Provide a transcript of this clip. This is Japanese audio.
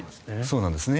そうなんですね。